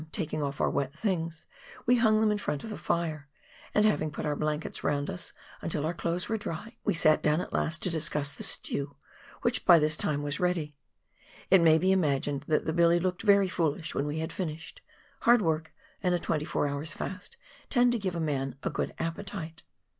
taking off our wet things, we hung them in front of the fire,' and having put our blankets round us until our clothes were dry, we sat down at last to discuss the stew, which was by this time ready. It may be imagined that the billy looked very foolish when we had finished ; hard work and a twenty four hours' fast tend to give a man a good appetite.